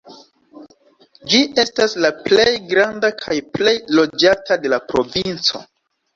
Ĝi estas la plej granda kaj plej loĝata de la provinco.